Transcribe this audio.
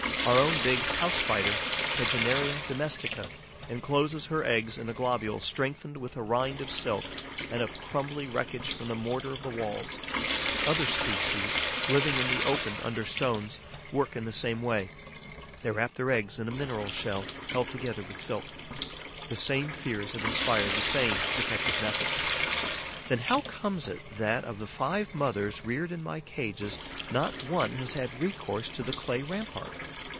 Our own big House Spider, Tegenaria domestica, encloses her eggs in a globule strengthened with a rind of silk and of crumbly wreckage from the mortar of the walls. Other species, living in the open under stones, work in the same way. They wrap their eggs in a mineral shell held together with silk. The same fears have inspired the same protective methods. Then how comes it that, of the five mothers reared in my cages, not one has had recourse to the clay rampart?